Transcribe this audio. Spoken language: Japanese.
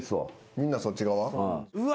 みんなそっち側？